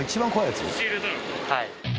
はい。